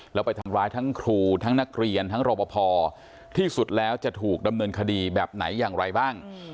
แล้วไปทำร้ายทั้งครูทั้งนักเรียนทั้งรบพอที่สุดแล้วจะถูกดำเนินคดีแบบไหนอย่างไรบ้าง